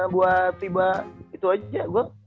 buat tiba itu aja gue